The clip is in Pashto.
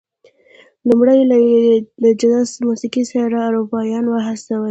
لومړی یې له جاز موسيقۍ سره اروپايانې وهڅولې.